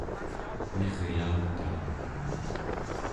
miryautaa